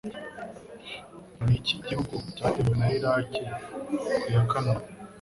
Niki gihugu cyatewe na Iraki Ku ya Kanama